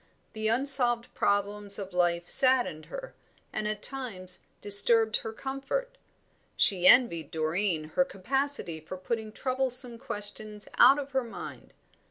The unsolved problems of life saddened her, and at times disturbed her comfort. She envied Doreen her capacity for putting troublesome questions out of her mind.